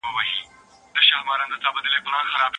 هیڅوک په اصل کي تر بل لوړ مقام نه لري.